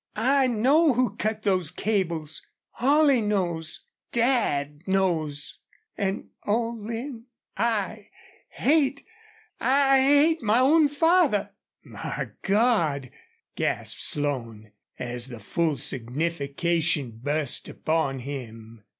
I know who cut those cables. .. Holley knows.... DAD knows an', oh, Lin I hate I hate my own father!" "My God!" gasped Slone, as the full signification burst upon him.